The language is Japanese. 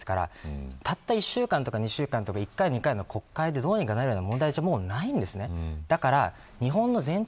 それだけやってもできなかったわけですからたった１週間２週間とか１回や２回の国会でどうにかなるような問題じゃないんですね。